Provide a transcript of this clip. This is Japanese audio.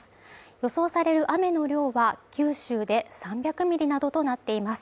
予想される雨の量は、九州で３００ミリなどとなっています。